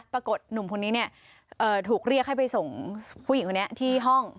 หนุ่มคนนี้ถูกเรียกให้ไปส่งผู้หญิงคนนี้ที่ห้อง